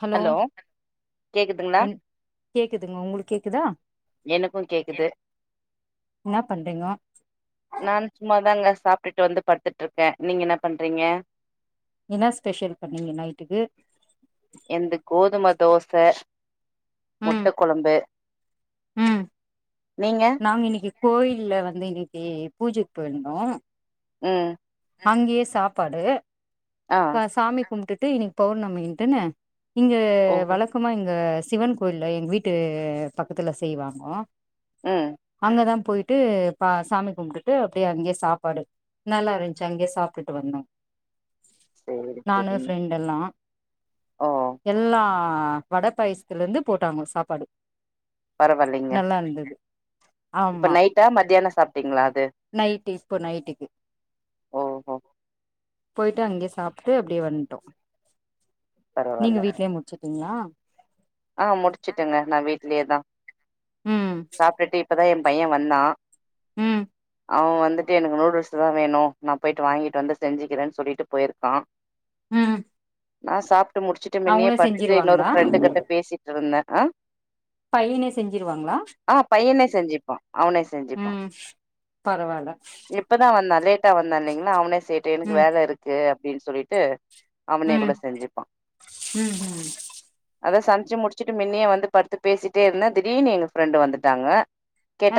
hello கேக்குதுங்களா கேக் கேக்குதுங்க உங்களுக்கு கேக்குதா எனக்கு கேக்குது என்ன பண்றீங்கோ நானு சும்மாதாங்க சாப்பிட்டுட்டு வந்து படுத்துட்டு இருக்கே நீங்க என்ன பண்றீங்க என்னா ஸ்பெஷல் பண்ணீங்க நைட்டுக்கு என்து கோதும தோச ம் முட்டக்கொழம்பு ம் நாங்க இன்னைக்கு கோயில்ல வந்து இன்னைக்கு பூஜைக்கு போயிருந்தோ ம் அங்கேயே சாப்பாடு ஆ சாமி கும்டுட்டு இன்னைக்கு பௌர்ணமின்ட்டுன்ன இங்க ஓ வழ க்கமா இங்க சிவன் கோயில்ல எங்க வீட்டு பக்கத்துல செய்வாங்கோ ம் அங்கதா போயிட்டு பா சாமி கும்பிட்டுட்டு அப்டியே அங்கேயே சாப்பாடு நல்லா இருந்துச்சு அங்கே சாப்டுட்டு வந்தோ சேரி நானு சரிங்க ஃப்ரெண்ட் எல்லா ஓ எல்லா வட பாயசத்துல இருந்து போட்டாங்க சாப்பாடு பரவாயில்லைங்க நல்லா இருந்தது இப்ப ஆமா நைட்டா மத்தியானோ சாப்ட்டீங்ளா அது நைட்டு இப்போ நைட்டுக்கு ஓஹோ போயிட்டு அங்கேயே சாப்ட்டு அப்டியே வந்ட்டோ நீங்க பரவால்ல வீட்லயே முச்சுட்டீங்ளா அ முடிச்சுட்டுங்க நா வீட்லயே தா ம் சாப்ட்டுட்டு இப்பதா எ பைய வந்தா ம் அவ வந்துட்டு எனக்கு நூடுல்ஸ் தா வேனோ நா போயிட்டு வாங்கிட்டு வந்து செஞ்சிக்கிறன்னு சொல்லிட்டு போயிருக்கா ம் நா சாப்ட்டு முடிச்சுட்டு முன்னே அவங்களே படுத்துட்டு இன்னொரு செஞ்சிருவாங்களா ஃப்ரெண்டு கிட்ட பேசிட்டு இருந்தே அ பையனே செஞ்சிருவாங்ளா அ பையனே செஞ்சிப்பா அவனே செஞ்சிப்பா ம் பரவால்ல எப் இப்பதா வந்தா லேட்டா வந்தா இல்லைங்ளா அவனே செய்யட்டு எனக்கு ம் வேல இருக்கு அப்டின் சொல்லி ட்டு அவனே ம் கூட செஞ்சிப்பா ம் ம் அதா சமச்சி முடிச்சுட்டு மின்னயே வந்து படுத்து பேசிட்டே இருந்தே திடீனு எங்க ஃப்ரெண்டு வந்துட்டாங்க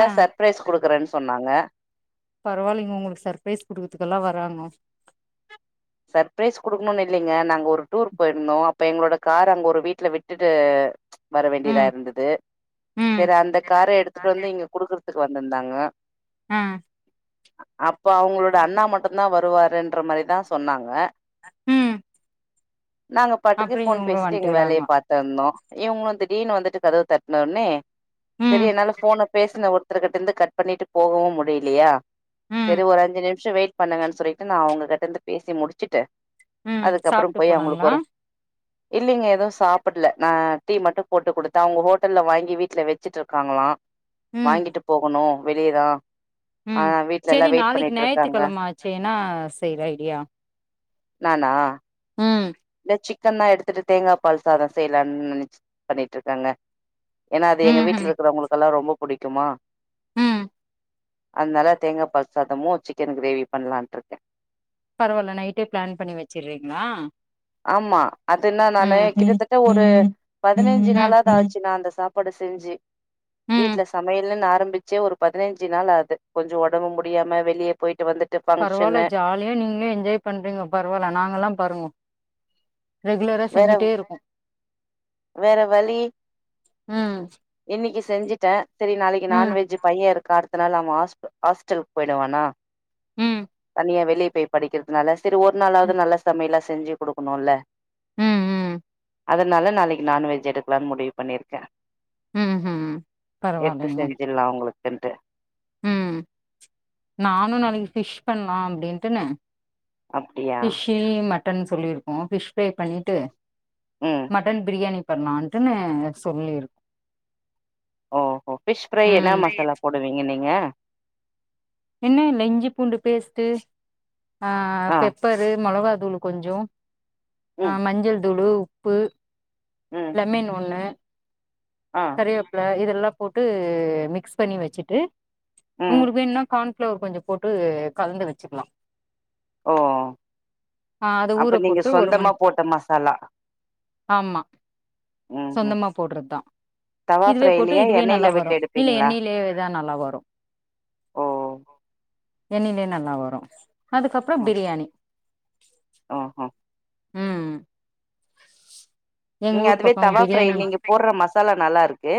ஆ சர்பரைஸ் குடுக்குறன்னு சொன்னாங்க பரவால்லைங்க உங்களுக்கு சர்ப்ரைஸ் குடுக்கதுக்குல்லா வராங்கோ சர்பரைஸ் குடுக்கணுனு இல்லைங்க நாங்க ஒரு டூர் போயிருந்தோ அப்ப எங்களோட கார் அங்க ஒரு வீட்ல விட்டுட்டு வர வேண்டியதா ம் இருந்தது ம் சரி அந்த கார எடுத்துட்டு வந்து இங்க குடுக்குறதுக்கு வந்திருந்தாங்கோ ம் அப்ப அவங்களோட அண்ணா மட்டுந்தா வருவாருன்ற மாரிதா சொன்னாங்க ம் நாங்க பாட்டுக்கு அப்றோ ஃபோன் இவங்களு பேசிட்டு எங்க வேலைய வந்ட்டுக்கறாங்கோ பாத்துருந்தோ இவங்களு திடீனு வந்துட்டு கதவு தட்ன ஒன்னே சரி ம் என்னால ஃபோன பேசுன ஒருத்தர்க் கிட்டருந்து கட் பண்ணிட்டு போகவு முடியலையா ம் சரி ஒரு அஞ்சி நிமிஷோ வெயிட் பண்ணுங்கன்னு சொல்லிட்டு நா அவுங்க கிட்ட இருந்து பேசி முடிச் சிட்டு ம் அதுக்கப்றோ சாப்ட்டு போய் அவுங்களுக்கு போனாங்களா ஒரு இல்லைங்க எதுவு சாப்பட்ல நா டீ மட்டோ போட்டு குடுத்த அவுங்க ஹோட்டல்ல வாங்கி வீட்ல வெச்சிட்டு இருக்காங்ளா ம் வாங்கிட்டு போகனோ வெளியதா ஆனா வீட்ல எல்லா வெயிட் பண்ணிட்ருக்காங்க சே என்னா செய்ற ஐடியா நானா ம் இந்த சிக்கன் தா எடுத்துட்டு தேங்காப் பால் சாத செய்லான் நெனச்சி பண்ணிட்ருக்கங்க ஏன்னா அது எங்க வீட்ல ம்ஹும் இருக்கிறவங்களுக்கல்லா ரொம்ப புடிக்குமா ம் அதனால தேங்காப் பால் சாதமு சிக்கன் கிரேவி பண்லான்ருக்கே பரவால்ல நைட்டே பிளான் பண்ணி வச்சிர்றீங்ளா ஆம்மா அதுனா நானு கிட்டத்தட்ட ஒரு பதினஞ்சி ம் நாளாது ஆச்சி நா அந்த சாப் பாடு செஞ்சு ம் வீட்ல சமையல்ன்னு ஆரம்பிச்சே ஒரு பதினஞ்சு நாள் ஆது கொஞ்சோ ஒடம்பு முடியாம வெளிய போயிட்டு வந்து பரவால ஜாலியா நீங்ளே என்ஜாய் பண்றீங்க பரவால நாங்கல்லா பாருங்கோ ரெகுலரா வேற செஞ்சிட்டே இருக்கோ வேற ம் இன்னிக்கி செஞ்சுட்டே சரி நாளைக்கு ம் நான்வெஜ்ஜு பைய இருக்கா அடுத்த நாள் அவ ஹாஸ்ப் ஹாஸ்டல்க்கு போயிடுவானா ம் னியா வெளிய போய் படிக்கிறதுனால சரி ஒரு ம் நாளாவது நல்ல சமையலா செஞ்சி குடுக்கனுல்ல ம் அதனால நாளைக்கு நான்வெஜ் எடுக்கலான் முடிவு பண்ணிருக்கே ம் ம்ஹும் எட்த்து பரவால்லைங்க செஞ்சில்லா அவுங்ளுக்குன்ட்டு ம் நானு நாளைக்கு ஃபிஷ் பண்லா அப்டின்ட்டுனு அப்டியா கீழ் மட்டன் சொல்லிருக்கோ பிஷ் ஃப்ரை பண்ணிட்டு ம் மட்டன் பிரியாணி பண்லான்ட்டுன்னு சொல்லிரு ஓஹோ பிஷ் ஃப்ரை என்னா ம் மசாலா போடுவீங்க நீங்க என்ன இல்ல இஞ்சி பூண்டு பேஸ்ட்டு ஆ பெப்பரு மொளகா தூளு கொஞ்சோ அ ம் மஞ்சள் தூளு உப்பு ம் லெமன் ஒன்னு அ கறிவேப்ல இதல்லா போட்டு மிக்ஸ் பண்ணி வெச்சிட்டு ம் உங்களுக்கு வேண்ணா கார்ன்ஃப்ளவர் கொஞ்ச போட்டு கலந்து வெச்சிக்லா ஓ அ அது ஊற அப்ப நீங்க போட்டு ஒரு சொந்தமா மண் போட்ட மசாலா ஆம்மா ம் ம் சொந்தமா போட்ற தா தவா இதுவே போட்டு ஃப்ரைலயா இதுவே எண்ணெய்ல நல்லா விட்டு வரு இல்ல எடுப்பீங்களா எண்ணெயிலயேதா நல்லா வரு ஓ எண்ணெயிலே நல்லா வரு அதுக்கப்பறோ பிரியாணி ம் ம் ம் எங்க நீங்க ஊர் அதுவே பக்கோ தவா ஃப்ரை பிரியாணி நீங்க போட்ற ம சாலா நல்லாருக்கு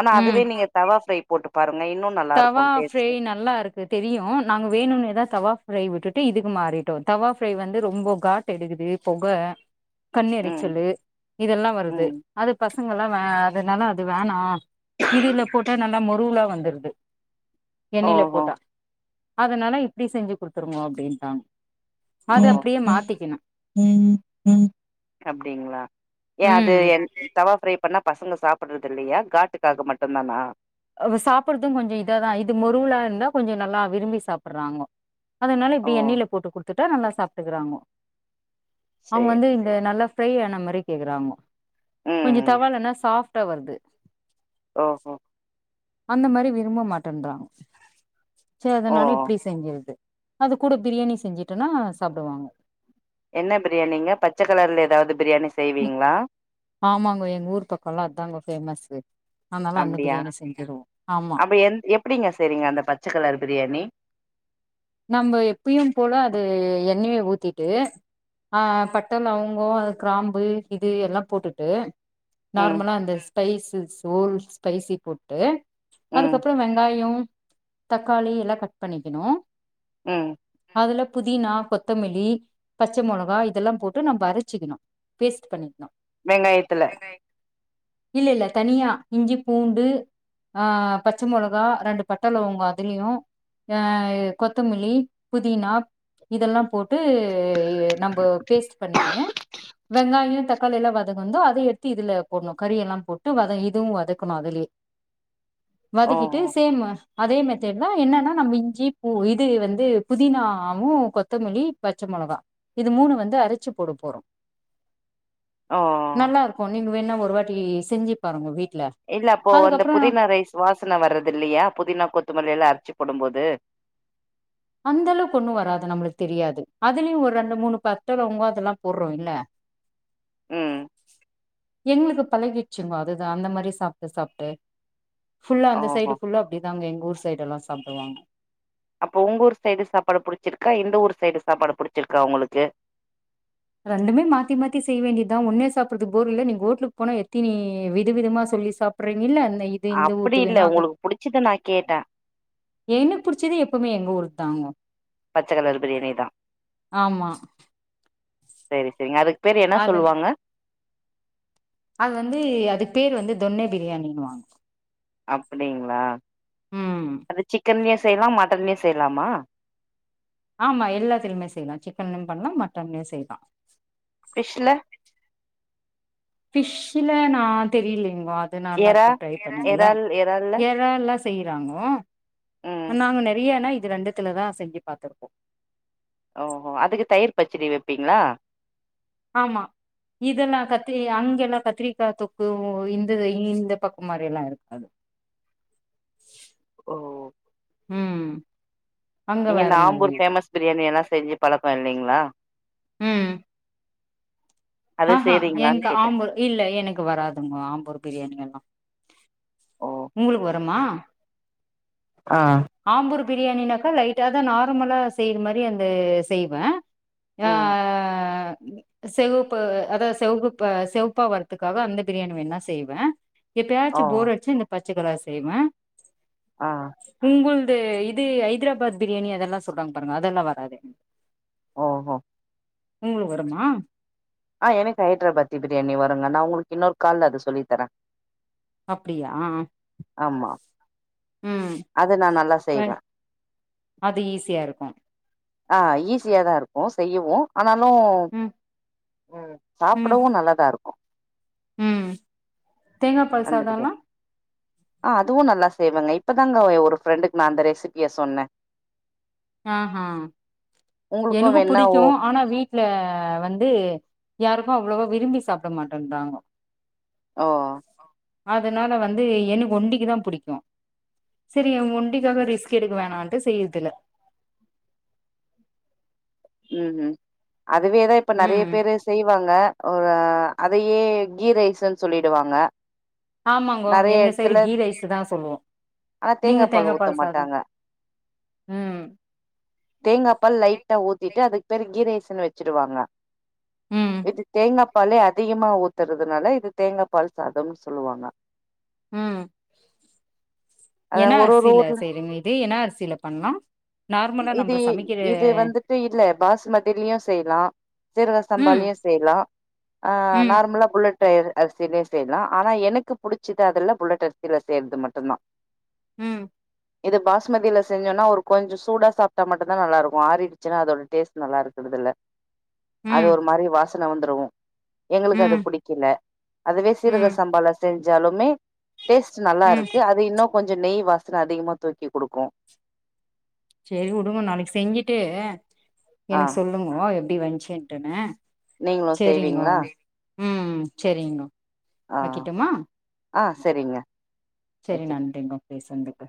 ஆனா ம் அதுவே நீங்க தவா ஃப்ரை போட்டு பாருங்க இன்னு நல்லா தவா இருக்கு ஃப்ரை டேஸ்ட்டு நல்லா இருக் கு தெரியு நாங்க வேணுன்னேதா தவா ஃப்ரை விட்டுட்டு இதுக்கு மாறிட்டோ தவா ஃப்ரை வந்து ரொம்ப காட் டெடுகுது பொக கண் ம் எரிச்சலு இதெல்லா வருது ம் அது பசங்கள்லா வ அதனால அது வேணா இதுல போட்டா நல்லா மொருவுலா வந்துருது எண்ணெல ஓஹோ போட்டா அதனால இப்டி செஞ்சி குடுத்துருங்கோ அப்டின்டாங் அது அப்டியே மாத்திக்கிணு ம் ம் அப்டிங்ளா ஏ அது ம் என் தவா ஃப்ரை பண்ணா பசங்க சாப்புட்றது இல்லையா காட்டுக்காக மட்டுந்தானா அவ சாப்புட்றது கொஞ்சோ இதாதா இது மொருவுலா இருந்தா கொஞ்சொ நல்லா விரும்பி சாப்புட்றாங்கோ அதனால ஓ இப்டி எண்ணெய்ல போட்டு குடுத்துட்டா நல்லா சாப்ட்டுக்குறாங்கோ அவ்ங்க சேரி வந்து த சேரி நல்லா ஃப்ரை ஆன மாரி கேக்குறாங்கோ ம் கொஞ்சொ ம் தவாலனா சாஃப்ட்டா வருது ஓ ஒ அந்த மாரி விரும்ப மாட்டேன்றாங் சே ஓ அதனால இப்டி செஞ்சிர்றது அதுக் கூட பிரியாணி செஞ்சுட்டுன்னா சாப்டுவாங் என்ன பிரியாணிங்க பச்ச கலர்ல ஏதாவ்து பிரியாணி செய்வீங்களா ஆமாங்கோ எங் ஊர் பக்கோல்லா அத்தாங்கோ ஃபேமஸு அனால அந்த பிரியாணி செஞ்சிருவோ ஆமா இப்ப எந் எப் டிங்க செய்றீங்க அந்த பச்சக்கலர் பிரியாணி நம்ப எப்பியும் போல அது எண்ணெய ஊத்திட்டு ஆ பட்ட லவங்கோ அத க்ராம்பு இது எல்லா போட்டுட்டு ம் நார்மலா அந்த ஸ்பைசஸ் ஓல் ஸ்பைசி போட்டு ம் அதுக்கப்றோ வெங்காயொ தக்காளி எல்லா கட் பண்ணிக்கிணு ம் அதுல புதினா கொத்தமல்லி பச்ச மொளகா இதெல்லா போட்டு நம்ப அரச்சிக்கிணு பேஸ்ட் பண்ணிக்கிணு வெங்காயத்துல இல்ல இல்ல தனியா இஞ்சி பூண்டு ஆ பச்ச மொளகா ரெண்டு பட்ட லவங்கோ அதுலியு ஆ கொத்தமல்லி புதினா இதல்லா போட்டு நம்போ பேஸ்ட் பண்ணிக்கினு வெங்காயொ தக்காளி எல்லா வதகுந்தோ அத எட்த்து இதுல போட்ணு கறி எல்லாம் போட்டு வத இதுவு வதக்கணு அதுலே ஓ வதக்கிட்டு சேம் அதே மெத்தேட் தா என்னன்னா நம்ம இஞ்சி பூ இது வந்து புதினாவு கொத்தமல்லியு பச்ச மொளகா இது மூணு வந்து அரச்சி போட போறோ ஓ நல்லா இருக்கு நீங்க வேணா ஒரு வாட்டி செஞ்சி பாருங்கோ வீட்ல இல்ல அப்போ அந்த அதுக்கப்றோ புதினா ரைஸ் வாசன வர்றதில்லையா புதினா கொத்தமல்லி எல்லா அரச்சி போடம் போது அந்தளவுக்கு ஒண்ணு வராது நம்ளுக்கு தெரியாது அதுலயு ஒரு ரெண்டு மூணு பட்ட லவங்கொ அதெல்லா போர்றோ இல்ல ம் எங்ளுக்கு பழகிட்ச்சுங்கோ அதுதா அந்த மாரி சாப்ட்டு சாப்ட்டு ஃபுல்லா அந்த ஓஹோ சைடு ஃபுல்லா இப்டி தாங்க ஊர் சைடு எல்லா சாப்டுவாங் அப்போ உங்க ஊர் சைடு சாப்பாடு புடிச்சிருக்கா இந்த ஊர் சைடு சாப்பாடு புடிச்சிருக்கா உங்களுக்கு ரெண்டுமே மாத்தி மாத்தி செய் வேண்டிதா ஒண்ணே சாப்புர்றதுக் போர் இல்ல நீங்க ஓட்லுக் போனா எத்தினி வித விதமா சொல்லி சாப் புர்றீங்கல்ல [unintelligible] அப்டி இல்ல உங்களுக்கு புடிச்சது நா கேட்ட எனக் புடிச்சது எப்பவ்மே எங்க ஊர் தாங்கோ பச்ச கலர் பிரியாணி தா ஆமா சேரி சேரிங்க அதுக் பேர் என்ன அதன் சொல்லுவாங்க அது வந்து அதுக்கு பேர் வந்து தொன்னே பிரியாணின்னுவாங் அப்டிங்களா ம் அது சிக்கன்லயு செய்லா மட்டன்லயு செய்லாமா ஆமா எல்லாத்துலியுமே செய்யலா சிக்கன்லியு பண்ணலா மட்டன்லியு செய்யலா ஃபிஷ்ல ஃபிஷல நா தெரிய்லிகோ அதனால எறா இப்ப ட்ரை பண்ணதுல்ல எறால் எறால்ல ஏ றால்லா செய்யறாங்கோ ம் நாங்க நெறையன்னா இது ரெண்டுத்துல தா செஞ்சு பாத்திருக்கோ ஓஹோ அதுக்கு தயிர் பச்சடி வைப்பீங்களா ஆமா இதெல்லா கத்தரி அங்கெல்லா கத்திரிக்காய் தொக்கு இந்த இந்த பக்கம் மாரில்லா இருக்காது [unintelligible] ஓ ஓ ம் அங்க நீங்க வேற இந்த மாதிரி ஆம்பூர் இருக்கு ஃபேமஸ் பிரியாணியெல்லா செஞ்சு பழக்கோல்லைங்களா ம் ஆ அது ஹா செய்றீங்களான்னு என்க்கு கேட்டே ஆம்பூர் இல்ல எனக்கு வராதுங்கோ ஆம்பூர் பிரியாணியெல்லா ஓ உங்களுக்கு வருமா ஆ ஆம்பூர் பிரியாணினாக்கா லைட்ட தா நார்மலா செய்யுற மாரி அந்த செய்வே ஆ ம் செவப் ப்பு அதா செவப்புப்ப செவப்பா வர்றதுக்காக அந்த பிரியாணி வேணா செய்வே எப்பயச்சு ஓ போர் அடிச்சுன்னா இந்த பச்சக்கலர் செய்வே ஆ உங்குள்து இது ஐ ஹைதராபாத் பிரியாணி அதெல்லா சொல்றா பாருங்க அதெல்லா வராது எனக் ஓ ஹோ உங்ளுக்கு வருமா ஆ எனக்கு ஹைதராபாத்தி பிரியாணி வருங்க நா உங்களுக்கு இன்னொரு கால்ல அத சொல்லித்தறே அப்பிடியா ஆமா அது நா நல்லா வ செய்வே அது ஈஸியாருக்கு ஆ ஈஸியாதா இருக்கு செய்யவு ஆனாலு ம் ம் சாப்புடவு நல்லதாகருக்கு ம் தேங்கா பால் அந்த சாதோல்லா பிரியாணி ஆ அதுவு நல்லா செய்வங்க இப்பதாங்க ஒரு ஃப்ரெண்டுக்கு நா அந்த ரெசிபிய சொன்ன ஆஹ உங்களுக்கும் எனக்கு வேணா புடிக்கு ஓ ஆனா வீட் ல வந்து யாருக்கு அவ்ளோவா விரும்பி சாப்புட மாட்டேன்றாங்கோ ஓ அதனால வந்து எனக்கு ஒண்டிக்கி தா புடிக்கு செரி எ ஒண்டிக்காக ரிஸ்க் எடுக்க வேணான்ட்டு செய்யறதுல்ல ம் ம் அதுவேதா இப்ப நறைய ம் பேரு செய்வாங்க ஒரு அதையே கீ ரைஸுன்னு சொல்லிடுவாங்க ஆமாங்கோ நெறைய எங்க சைடு எடத்துல கீ ரைஸ்சு தா சொல்லுவோ ஆனா நீங்க தேங்கா பால் ஊத்த தேங்கபால் சாதம் மாட்டாங்க ம் தேங்கா பால் லைட்டா ஊத்திட்டு அதுக்கு பேரு கீரைசுன்னு வச்சுடுவாங்க ம் வித்து தேங்காப் பாலு அதிகமா ஊத்துறதுனால இது தேங்காபால் சாதம்ன் சொல்லுவாங்க ம் அத என்னா ஒரு ஒரு அரிசியில செய்றீங்க இத என்னா அரிசியில பண்லா நார்மலா இதி நம்ப சமைக்கிற இது வந்துட்டு இதுல பாசுமதியிலயு செய்லா சீரக ம் சம்பாலயு செய்லா ஆ ம் நார்மலா புல்லெட் அரிசியிலயு செய்லா ஆனா எனக்கு புடிச்சது அதுல புல்லெட் அரி சில செய்ற்து மட்டுந்தா ம் இது பாஸ்மதியில செஞ்சோன்னா ஒரு கொஞ்ச சூடா சாப்ட்டா மட்டு தா நல்லா இருக்கு ஆரிடுச்சுன்னா அதோட டேஸ்ட் நல்லா இருக்குறதில்ல அது ம் ஒரு மாதிரி வாசன வந்துரு எங்களுக்கு அது ம் புடிக்கில அதுவே சிரக ம் சம்பாள செஞ்சாலுமே டேஸ்ட் நல்லா ம் இருக்கு அது இன்னு கொஞ்சோ நெய் வாசன அதிகமா தூக்கி கொடுக்கு செரி உடுங்க நாளைக்கி செஞ்சுட்டு ஆ எனக்கு சொல்லுங்கோ எப்டி வந்ச்சுன்ட்டுன்னு நீங்களு செரிங்கோ செய்வீங்களா ம் செரிங்கோ ஆ வைக்கட்டுமா ஆ செரிங்க செரி நன்றிங்க பேசன்துக்கு